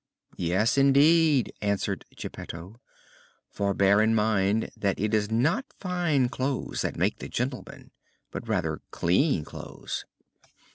"Yes, indeed," answered Geppetto, "for bear in mind that it is not fine clothes that make the gentleman, but rather clean clothes."